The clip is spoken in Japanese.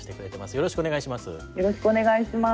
よろしくお願いします。